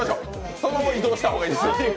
そのまま移動した方がいいですよ。